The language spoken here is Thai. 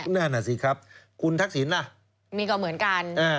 นั่นอ่ะสิครับคุณทักศิลป์น่ะมีก็เหมือนกันอ่า